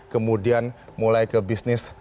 kemudian mulai ke bisnis